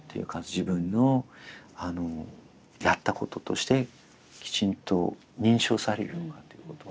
自分のやったこととしてきちんと認証されるのかということ。